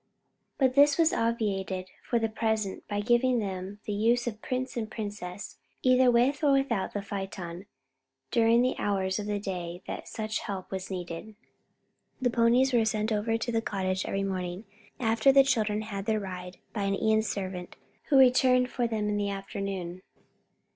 But this was obviated for the present by giving them the use of Prince and Princess, either with or without the phaeton, during the hours of the day that such help was needed. The ponies were sent over to the cottage every morning, after the children had had their ride, by an Ion servant, who returned for them in the afternoon.